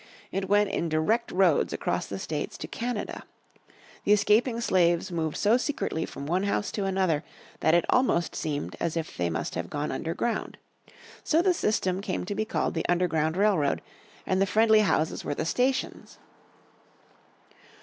It went in direct roads across the States to Canada. The escaping slaves moved so secretly from one house to another that it almost seemed as if they must have gone underground. So the system came to be called the Underground Railroad, and the friendly houses were the stations.